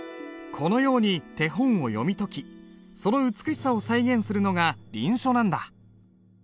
このように手本を読み解きその美しさを再現するのが臨書なんだ。